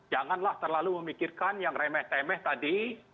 janganlah terlalu memikirkan yang remeh temeh tadi